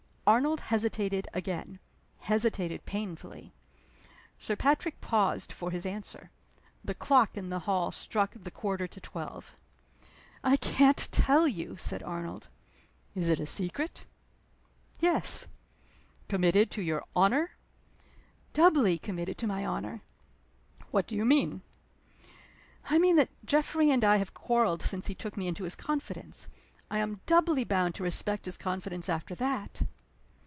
Arnold hesitated again hesitated painfully. Sir Patrick paused for his answer. The clock in the hall struck the quarter to twelve. "I can't tell you!" said Arnold. "Is it a secret?" "Yes." "Committed to your honor?" "Doubly committed to my honor." "What do you mean?" "I mean that Geoffrey and I have quarreled since he took me into his confidence. I am doubly bound to respect his confidence after that."